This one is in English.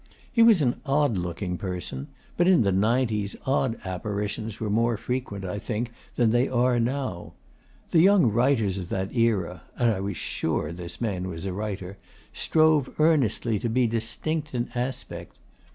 He was an odd looking person; but in the 'nineties odd apparitions were more frequent, I think, than they are now. The young writers of that era and I was sure this man was a writer strove earnestly to be distinct in aspect.